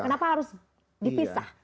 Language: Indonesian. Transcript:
kenapa harus dipisah